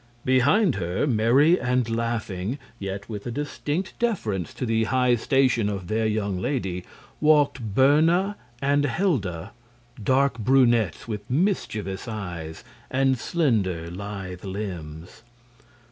Behind her, merry and laughing, yet with a distinct deference to the high station of their young lady, walked Berna and Helda dark brunettes with mischievous eyes and slender, lithe limbs.